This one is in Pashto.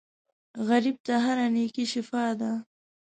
غریب ته هره نېکۍ شفاء ده